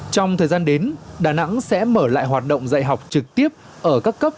trong thời gian đến đà nẵng sẽ mở lại hoạt động dạy học trực tiếp ở các cấp